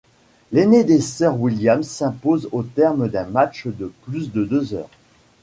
L'aînée des sœurs Williams s'impose au terme d'un match de plus de deux heures.